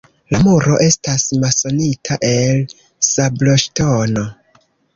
La muro estas masonita el sabloŝtono.